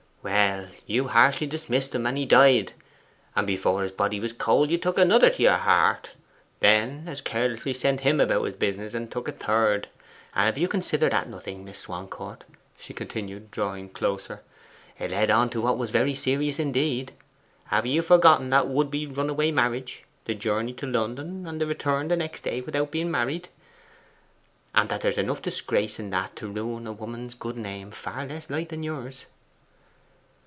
'Well, you harshly dismissed him, and he died. And before his body was cold, you took another to your heart. Then as carelessly sent him about his business, and took a third. And if you consider that nothing, Miss Swancourt,' she continued, drawing closer; 'it led on to what was very serious indeed. Have you forgotten the would be runaway marriage? The journey to London, and the return the next day without being married, and that there's enough disgrace in that to ruin a woman's good name far less light than yours?